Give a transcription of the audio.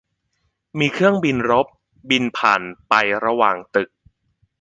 มีเครื่องบินรบบินผ่านไประหว่างตึก